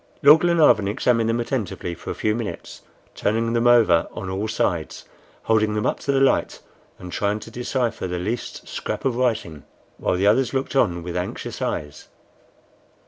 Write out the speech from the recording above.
Lord Glenarvan examined them attentively for a few minutes, turning them over on all sides, holding them up to the light, and trying to decipher the least scrap of writing, while the others looked on with anxious eyes.